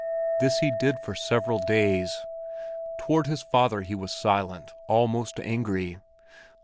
This he did for several days. Toward his father he was silent, almost angry.